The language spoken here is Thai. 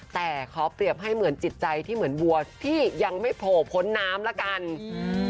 แต่ขอเปรียบให้เหมือนจิตใจที่เหมือนวัวที่ยังไม่โผล่พ้นน้ำละกันอืม